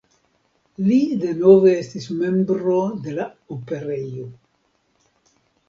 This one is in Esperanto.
Li denove estis membro de la Operejo.